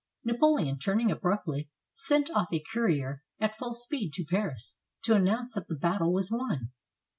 Napoleon, turning abruptly, sent off a courier at full speed to Paris to announce that the battle was won.